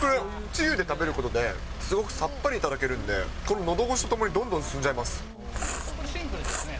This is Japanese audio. つゆで食べることで、すごくさっぱり頂けるんで、こののど越しとともにどんどん進んじゃいます。